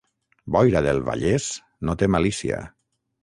Boira del Vallès no té malícia.